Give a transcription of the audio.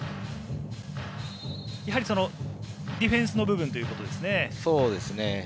ディフェンスの部分ということですね。